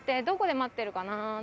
どこで待ってるかな。